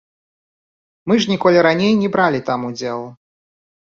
Мы ж ніколі раней не бралі там удзел.